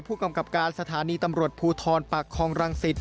ผู้กำกับการสถานีตำรวจภูทรปากคองรังสิต